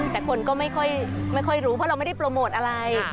แต่คนก็ไม่ค่อยรู้เพราะเราไม่ได้โปรโมทอะไร